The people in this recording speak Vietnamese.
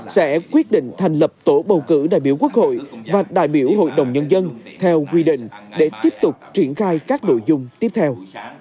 sẽ quyết định thành lập tổ bầu cử đại biểu quốc hội và đại biểu hội đồng nhân dân theo quy định để tiếp tục triển khai các nội dung tiếp theo